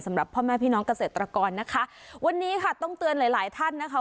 สำหรับพ่อแม่พี่น้องเกษตรกรนะคะวันนี้ค่ะต้องเตือนหลายหลายท่านนะคะ